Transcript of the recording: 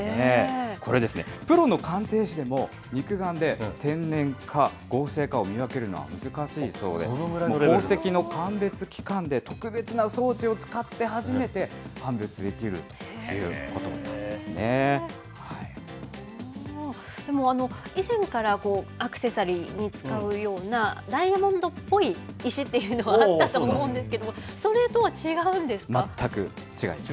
これですね、プロの鑑定士でも、肉眼で天然か、合成かを見分けるのは難しいそうで、宝石の鑑別機関で特別な装置を使って、初めて鑑別できるといでも、以前からアクセサリーに使うような、ダイヤモンドっぽい石っていうのはあったと思うんですけども、そ全く違います。